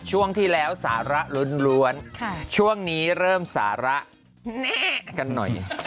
ช่วงที่แล้วสาระล้วนช่วงนี้เริ่มสาระกันหน่อย